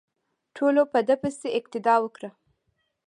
ټولو په ده پسې اقتدا وکړه.